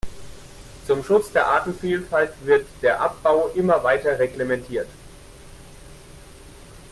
Zum Schutz der Artenvielfalt wird der Abbau immer weiter reglementiert.